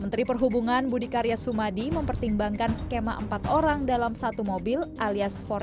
menteri perhubungan budi karya sumadi mempertimbangkan skema empat orang dalam satu mobil alias empat in satu di dki jakarta